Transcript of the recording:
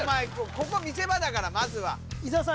ここ見せ場だからまずは伊沢さん